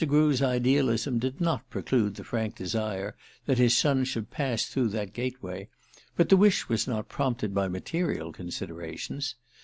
Grew's idealism did not preclude the frank desire that his son should pass through that gateway; but the wish was not prompted by material considerations.